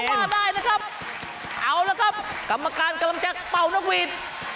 ว่าได้นะครับเอาละครับกรรมการกำลังจะเป่านกหวีด